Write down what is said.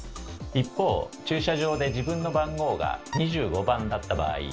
一方駐車場で自分の番号が２５番だった場合